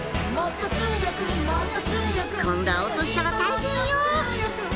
今度は落としたら大変よ！